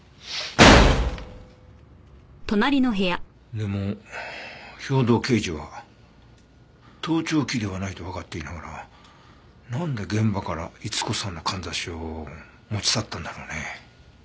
でも兵藤刑事は盗聴器ではないとわかっていながらなんで現場から伊津子さんの簪を持ち去ったんだろうね。